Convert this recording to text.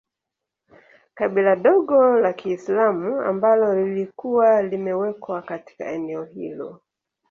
Kabila dogo la kiislamu ambalo lilikuwa limewekwa katika eneo hilo